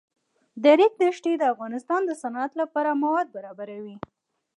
د ریګ دښتې د افغانستان د صنعت لپاره مواد برابروي.